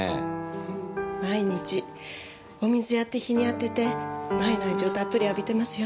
毎日お水やって日に当てて麻衣の愛情たっぷり浴びてますよ。